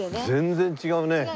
全然違うね。